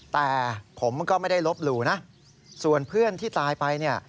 แต่ผมก็ไม่ได้ลบหลู่นะส่วนเพื่อนที่ตายไปเนี่ย